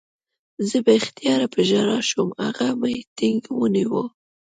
زه بې اختیاره په ژړا شوم او هغه مې ټینګ ونیو